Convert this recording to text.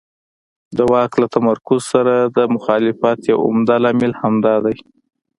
د واک له تمرکز سره د مخالفت یو عمده لامل همدا دی.